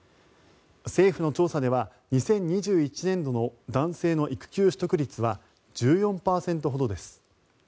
政府の調査では２０２１年度の男性の育休取得率は１４％ほどです。